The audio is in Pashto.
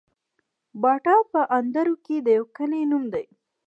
باټا په اندړو کي د يو کلي نوم دی